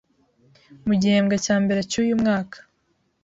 mu gihembwe cya mbere cy’uyu mwaka